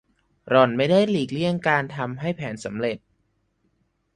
หล่อนไม่ได้หลีกเลี่ยงจากการทำให้แผนสำเร็จ